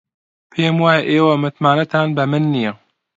پێم وایە ئێوە متمانەتان بە من نییە.